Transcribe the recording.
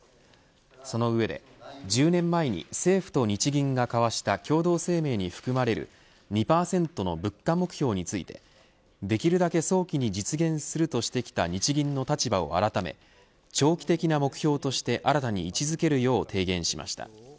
その上で１０年前に政府と日銀が交わした共同声明に含まれる２％の物価目標についてできるだけ早期に実現するとしてきた日銀の立場を改め長期的な目標として新たに位置づけるよう、提言しました。